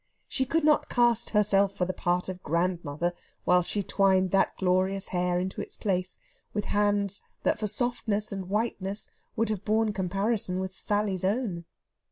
She could not cast herself for the part of grandmother while she twined that glorious hair into its place with hands that for softness and whiteness would have borne comparison with Sally's own.